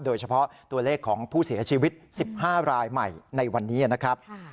โดยเฉพาะตัวเลขของผู้เสียชีวิต๑๕รายใหม่ในวันนี้นะครับ